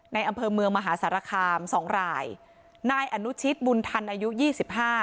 อำเภอเมืองมหาสารคามสองรายนายอนุชิตบุญธรรมอายุยี่สิบห้า